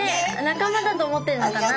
仲間だと思ってるのかな。